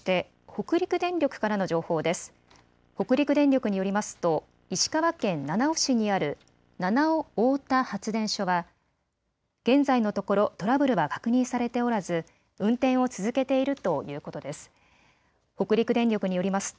北陸電力によりますと石川県七尾市にある七尾大田発電所は、現在のところトラブルは確認されておらず運転を続けているということです。